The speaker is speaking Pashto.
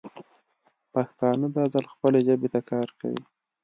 پښتانه دا ځل خپلې ژبې ته کار کوي.